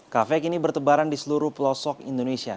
kafe kini bertebaran di seluruh pelosok indonesia